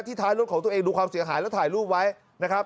ท้ายรถของตัวเองดูความเสียหายแล้วถ่ายรูปไว้นะครับ